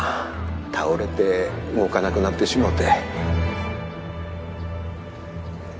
倒れて動かなくなってしもうて